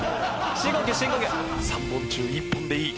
３本中１本でいい。